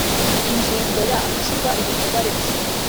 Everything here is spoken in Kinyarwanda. Ingingo ya ahashyirwa ibikorwaremezo